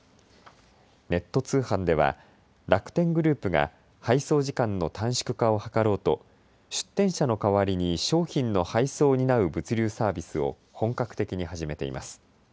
ネット通販では楽天グループが配送時間の短縮化を図ろうと出店者の代わりに商品の配送を担う物流サービスを本格的に始めています。